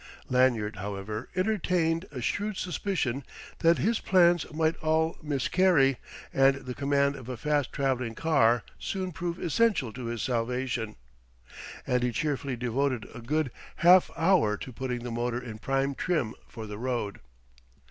Lanyard, however, entertained a shrewd suspicion that his plans might all miscarry and the command of a fast travelling car soon prove essential to his salvation; and he cheerfully devoted a good half hour to putting the motor in prime trim for the road.